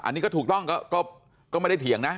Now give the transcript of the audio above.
อันนี้ก็ถูกต้องก็ไม่ได้เถียงนะ